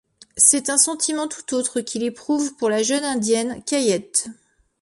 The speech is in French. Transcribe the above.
C'est un sentiment tout autre qu'il éprouve pour la jeune Indienne, Kayette.